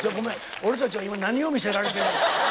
俺たちは今何を見せられてんねんや。